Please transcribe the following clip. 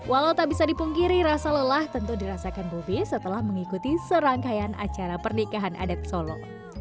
walau tak bisa dipungkiri rasa lelah tentu dirasakan bobi setelah mengikuti serangkaian acara pernikahan adat solo